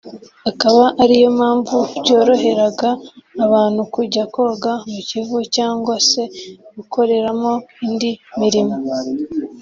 akaba ariyo mpamvu byoroheraga abantu kujya koga mu Kivu cyangwa se gukoreramo indi mirimo